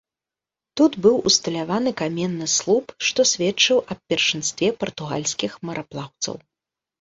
Тут быў усталяваны каменны слуп, што сведчыў аб першынстве партугальскіх мараплаўцаў.